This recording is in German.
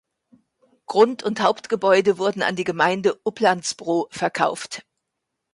Grund und Hauptgebäude wurden an die Gemeinde Upplands-Bro verkauft.